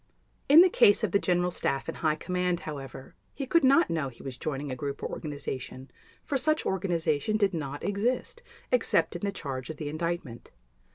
In the case of the General Staff and High Command, however, he could not know he was joining a group or organization for such organization did not exist except in the charge of the Indictment.